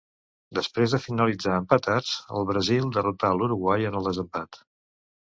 Després de finalitzar empatats, el Brasil derrotà l'Uruguai en el desempat.